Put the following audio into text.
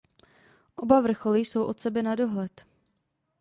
Oba vrcholy jsou od sebe na dohled.